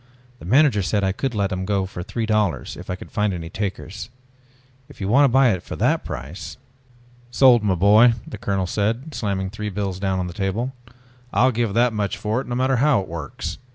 The manager said I could let them go at three dollars if I could find any takers. If you want to buy it for that price...." "Sold, my boy!" the colonel said, slamming three bills down on the table. "I'll give that much for it no matter how it works.